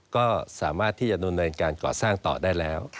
ก็สามารถที่จะดำเนินการก่อสร้างต่อได้แล้ว